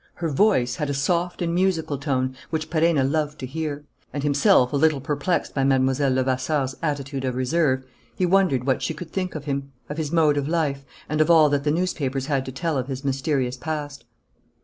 Her voice had a soft and musical tone which Perenna loved to hear; and, himself a little perplexed by Mlle. Levasseur's attitude of reserve, he wondered what she could think of him, of his mode of life, and of all that the newspapers had to tell of his mysterious past.